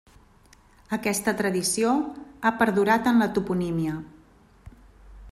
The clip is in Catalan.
Aquesta tradició ha perdurat en la toponímia.